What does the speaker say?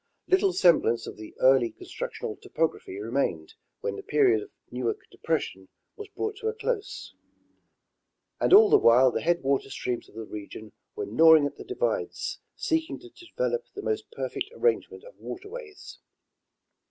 Little semblance of the early constructional topography remained when the period of Newark depression was brought to a close ; and all the while the headwater streams of the region were gnawing at the divides^ seeking to develop the most perfect arrangement of waterways.